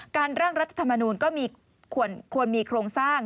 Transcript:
ร่างรัฐธรรมนูลก็ควรมีโครงสร้าง